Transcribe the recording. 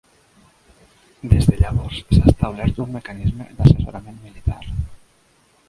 Des de llavors, s'ha establert un mecanisme d'assessorament militar.